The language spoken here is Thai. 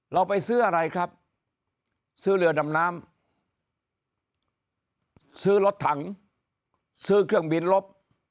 เราไปซื้ออะไรครับซื้อเรือดำน้ำซื้อรถถังซื้อเครื่องบินลบ